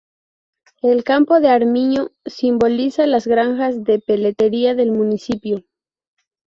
El campo de armiño simboliza las granjas de peletería del municipio.